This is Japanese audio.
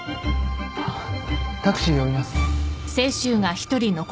タクシー呼びますよ。